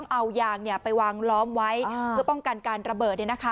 เอายางไปวางล้อมไว้เพื่อป้องกันการระเบิด